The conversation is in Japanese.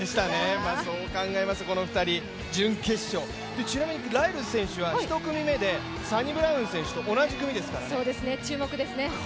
そう考えますとこの２人、準決勝、ちなみにライルズ選手は１組目でサニブラウン選手と同じ組ですからね。